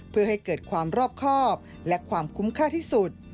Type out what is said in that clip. เพื่อให้เกิดความรอบครอบและความคุ้มค่าที่สุด